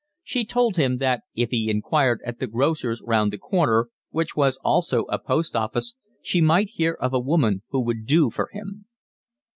She told him that, if he inquired at the grocer's round the corner, which was also a post office, he might hear of a woman who would 'do' for him.